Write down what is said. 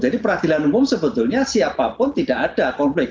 jadi peradilan umum sebetulnya siapapun tidak ada konflik